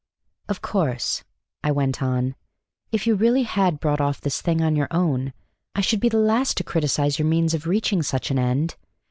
"Of course," I went on, "if you really had brought off this thing on your own, I should be the last to criticise your means of reaching such an end.